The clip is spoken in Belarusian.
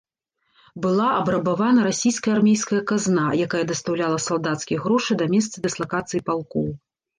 Была абрабавана расійская армейская казна, якая дастаўляла салдацкія грошы да месца дыслакацыі палкоў.